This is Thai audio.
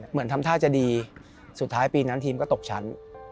เหมือนทำท่าจะดีสุดท้ายปีนั้นทีมก็ตกชั้น